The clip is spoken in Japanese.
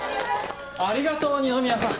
ありがとう二宮さん。